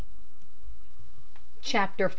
] CHAPTER V.